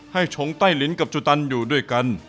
ชงไต้ลินกับจุตันอยู่ด้วยกัน